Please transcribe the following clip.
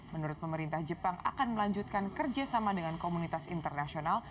menurut pemerintah jepang akan melanjutkan kerjasama dengan komunitas internasional